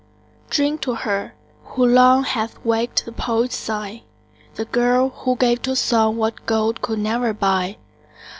Drink to her, who long, Hath waked the poet's sigh. The girl, who gave to song What gold could never buy.